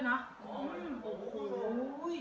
นั้นก็ใช่